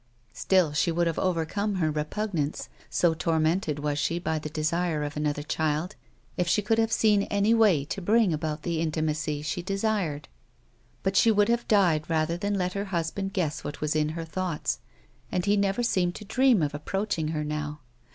Still, she would have overcome her repugnance (so tor mented was she by the desire of another child) if she could have seen any way to bring about the intimacy she desired ; but she would have died rather than let her husband guess what was in her thoughts, and he never seemed to dream of approaching her now.